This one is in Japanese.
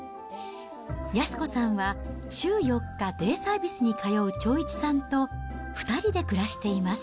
安子さんは週４日、デイサービスに通う長一さんと、２人で暮らしています。